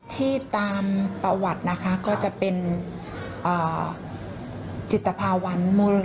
ที่ตามประวัตินะคะก็จะเป็นจิตภาวันมรณ